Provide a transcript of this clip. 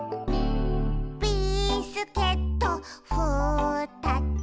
「ビスケットふたつ」